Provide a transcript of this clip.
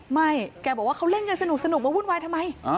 แกบอกว่าเขาเล่นกันสนุกมาวุ่นวายทำไม